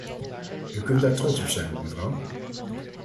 U kunt daar trots op zijn, mevrouw!